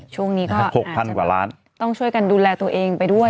ช่วงนี้ก็อาจจะต้องช่วยกันดูแลตัวเองไปด้วย